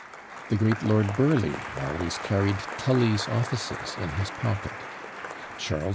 The great Lord Burleigh always carried Tully's Offices in his pocket; Charles V.